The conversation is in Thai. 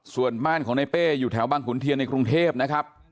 ส่วนบ้านของในเป้อยู่แถวบางขุนเทียนในกรุงเทพนะครับ